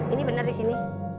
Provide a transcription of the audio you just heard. ini benar di sini